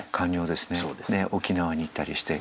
で沖縄に行ったりして。